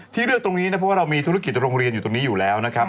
เลือกตรงนี้นะเพราะว่าเรามีธุรกิจโรงเรียนอยู่ตรงนี้อยู่แล้วนะครับ